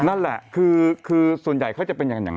นั่นแหละคือส่วนใหญ่เขาจะเป็นอย่างนั้น